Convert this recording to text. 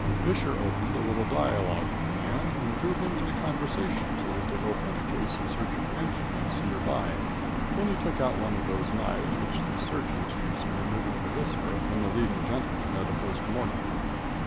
Visscher opened a little dialogue with the man, and drew him into conversation till he could open a case of surgical instruments near by, then he took out one of those knives that the surgeons use in removing the viscera from the leading gentleman at a post mortem.